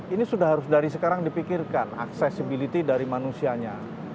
ini sudah harus dari sekarang dipikirkan accessibility dari manusianya